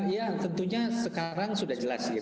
ya tentunya sekarang sudah jelas ya